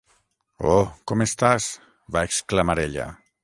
"Oh, com estàs!" va exclamar ella.